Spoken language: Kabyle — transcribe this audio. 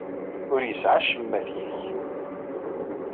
Ur yesɛi acemma ad t-yeg.